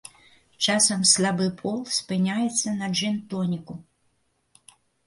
Часам слабы пол спыняецца на джын-тоніку.